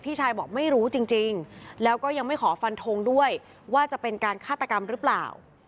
พี่ชายบอกไม่รู้จริงแล้วก็ยังไม่ขอฟันทงด้วยว่าจะเป็นการฆาตกรรมหรือเปล่า